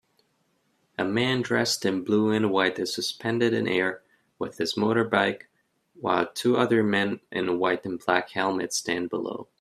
A man dressed in blue and white is suspended in air with his motorbike while two other men in white and black helmets stand below